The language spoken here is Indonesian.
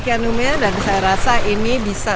kianume dan saya rasa ini bisa